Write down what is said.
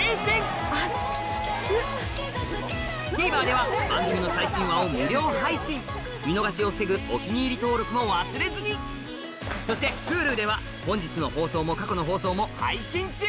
ＴＶｅｒでは番組の最新話を無料配信見逃しを防ぐ「お気に入り」登録も忘れずにそしてＨｕｌｕでは本日の放送も過去の放送も配信中！